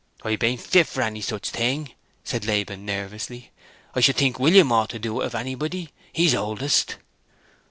"I bain't fit for any such thing," said Laban, nervously. "I should think William ought to do it if anybody. He's oldest."